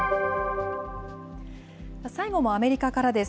最後もアメリカからです。